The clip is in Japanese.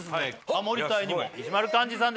ハモリ隊にも石丸幹二さんです